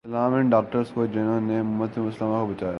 سلام ان ڈاکٹرز کو جہنوں نے امت مسلماں کو بچایا